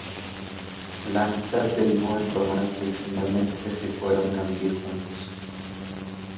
La amistad derivó en romance y finalmente se fueron a vivir juntos.